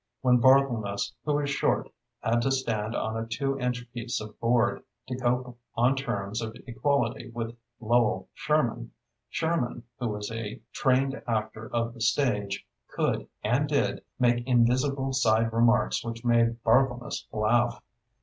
When Barthelmess, who is short, had to stand on a two inch piece of board, to cope on terms of equality with Lowell Sherman, Sherman, who was a trained actor of the stage, could, and did, make invisible side remarks which made Barthelmess laugh.